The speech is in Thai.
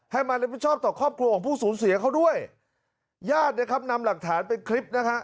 มารับผิดชอบต่อครอบครัวของผู้สูญเสียเขาด้วยญาตินะครับนำหลักฐานเป็นคลิปนะฮะ